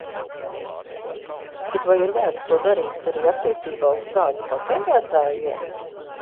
Bet vai ir vērts to darīt arī attiecībā uz zāļu patērētājiem?